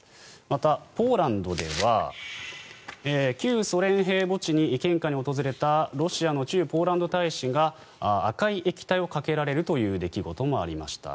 また、ポーランドでは旧ソ連兵墓地に献花に訪れたロシアの駐ポーランド大使が赤い液体をかけられるという出来事もありました。